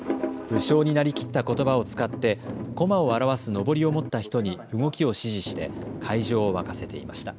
武将になりきったことばを使って駒を表すのぼりを持った人に動きを指示して会場を沸かせていました。